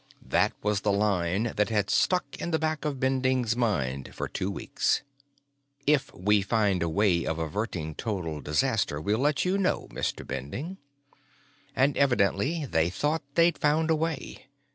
That was the line that had stuck in the back of Bending's mind for two weeks. If we find a way of averting total disaster, we'll let you know, Mr. Bending. And they evidently thought they'd found a way.